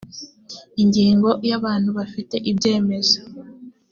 ingingo ya abantu bafite ibyemezo